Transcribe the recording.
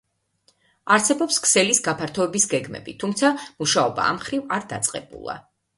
არსებობს ქსელის გაფართოების გეგმები, თუმცა, მუშაობა ამმხრივ არ დაწყებულა.